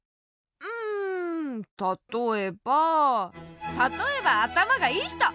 うんたとえばたとえばあたまがいいひと！